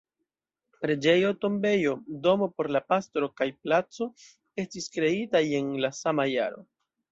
Preĝejo, tombejo, domo por la pastro kaj placo estis kreitaj en la sama jaro.